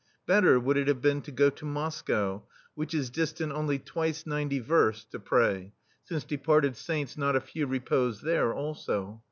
Better would it have been to go to Moscow, which is distant only "twice ninety versts, to pray, since departed Saints not a few repose there, also.